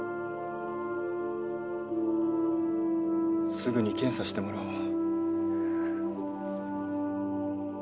すぐに検査してもらおう。